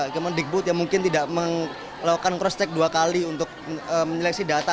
kemendikbud yang mungkin tidak melakukan cross check dua kali untuk menyeleksi data